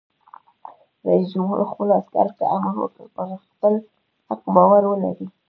رئیس جمهور خپلو عسکرو ته امر وکړ؛ پر خپل حق باور ولرئ!